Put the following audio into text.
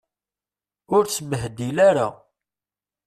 Ur sbehdil ara.